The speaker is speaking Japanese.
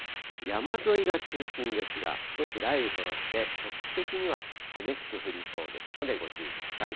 山沿いが中心ですが、あちこち雷雨となって、局地的には激しく降りそうですので、ご注意ください。